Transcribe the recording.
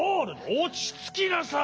おちつきなさい！